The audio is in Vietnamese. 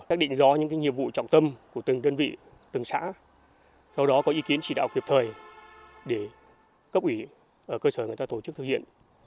xác định do những nhiệm vụ trọng tâm của từng đơn vị từng xã sau đó có ý kiến chỉ đạo kiệp thời để cấp ủy cơ sở người ta tổ chức thực hiện